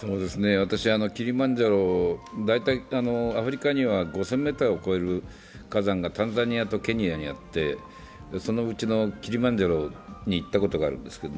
私、キリマンジャロ大体アフリカには５０００ｍを超える火山がタンザニアとケニアにあってそのうちのキリマンジャロに行ったことがあるんですけど。